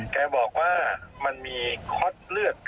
แกบอกว่ามันมีค็อตเลือด